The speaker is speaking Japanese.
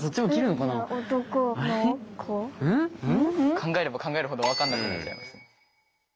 考えれば考えるほど分かんなくなっちゃいますね。